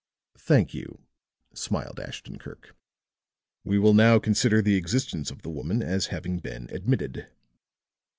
"Thank you," smiled Ashton Kirk. "We will now consider the existence of the woman as having been admitted."